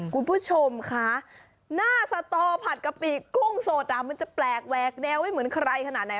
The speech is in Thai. คุณผู้ชมคะหน้าสตอผัดกะปิกุ้งสดมันจะแปลกแหวกแนวไม่เหมือนใครขนาดไหน